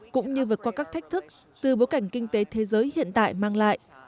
cũng như vượt qua các thách thức từ bối cảnh kinh tế thế giới hiện tại mang lại